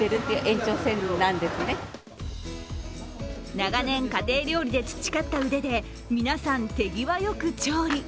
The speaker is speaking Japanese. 長年、家庭料理で培った腕で皆さん、手際よく調理。